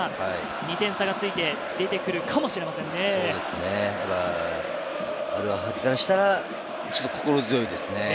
２点差がついて出てくるかもしれませんね。